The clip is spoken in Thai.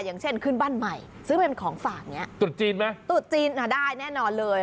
อย่างเช่นขึ้นบ้านใหม่ซื้อเป็นของฝากเนี่ยตรุษจีนนะได้แน่นอนเลย